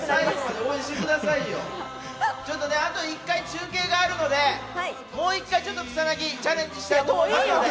あと１回中継があるので、もう１回、草薙チャレンジしたいと思います。